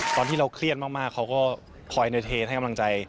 ตอนที่เราเครียดมากเขาก็คอยเนอร์เทนให้กำลังใจ